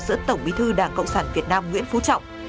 giữa tổng bí thư đảng cộng sản việt nam nguyễn phú trọng